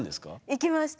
行きました。